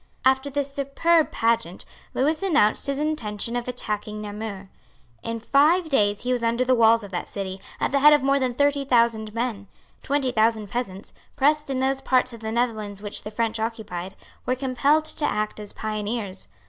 After this superb pageant Lewis announced his intention of attacking Namur. In five days he was under the walls of that city, at the head of more than thirty thousand men. Twenty thousand peasants, pressed in those parts of the Netherlands which the French occupied, were compelled to act as pioneers.